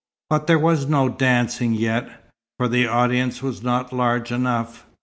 But there was no dancing yet, for the audience was not large enough.